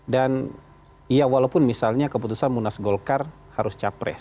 dan ya walaupun misalnya keputusan munas golkar harus capres